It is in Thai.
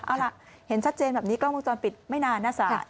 เอาล่ะเห็นชัดเจนแบบนี้กล้องวงจรปิดไม่นานนะจ๊ะ